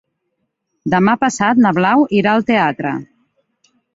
Demà passat na Blau irà al teatre.